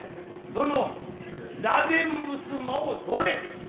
その座禅衾をとれ。